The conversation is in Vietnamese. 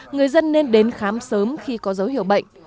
người dân nên đến khám sớm khi có dấu hiệu bệnh